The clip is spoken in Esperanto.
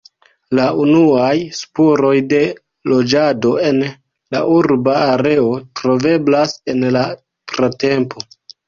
La unuaj spuroj de loĝado en la urba areo troveblas en la pratempo.